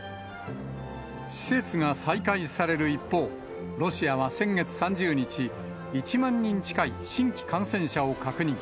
施設が再開される一方、ロシアは先月３０日、１万人近い新規感染者を確認。